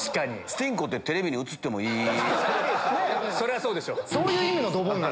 それはそうでしょ。